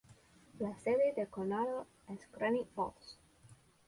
La sede del condado es Granite Falls.